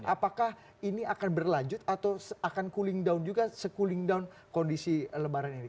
apakah ini akan berlanjut atau akan cooling down juga se cooling down kondisi lebaran ini